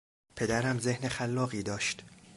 پدرم ذهن خلاقی داشت.